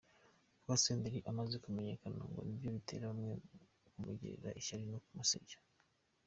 Kuba Senderi amaze kumenyekana ngo nibyo bitera bamwe kumugirira ishyari no kumusebya.